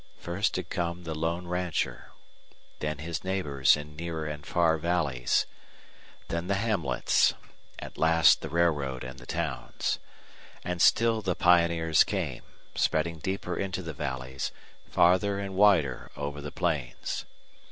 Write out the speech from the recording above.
First had come the lone rancher; then his neighbors in near and far valleys; then the hamlets; at last the railroad and the towns. And still the pioneers came, spreading deeper into the valleys, farther and wider over the plains.